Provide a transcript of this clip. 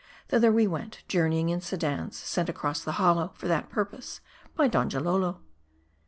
Thither we went ; journeying in sedans, sent across the hollow, for that purpose, by Donjalolo.